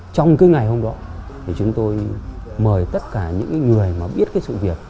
trong cái ngày hôm đó thì chúng tôi mời tất cả những cái người mà biết cái sự việc